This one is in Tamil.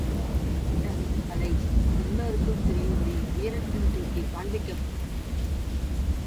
துண்டுபட்ட அந்தத் தலை எல்லோருக்கும் தெரியும்படி உயரத்தில் தூக்கிக் காண்பிக்கப்பேட்டது.